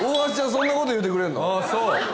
そんなこと言うてくれんの？